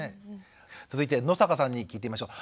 続いて野坂さんに聞いてみましょう。